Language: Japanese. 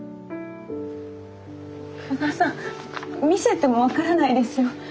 久我さん見せても分からないですよ。